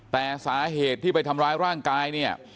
แต่สาเหตุที่ไปทำร้ายร่างกายเนี่ย